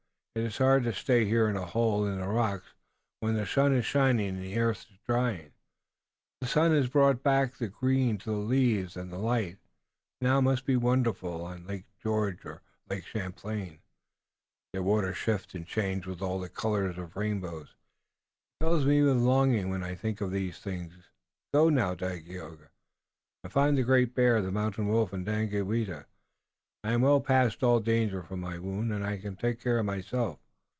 It is hard to stay here in a hole in the rocks, when the sun is shining and the earth is drying. The sun has brought back the green to the leaves and the light now must be wonderful on Andiatarocte and Oneadatote. Their waters shift and change with all the colors of the rainbow. It fills me with longing when I think of these things. Go now, Dagaeoga, and find the Great Bear, the Mountain Wolf and Daganoweda. I am well past all danger from my wound, and I can take care of myself."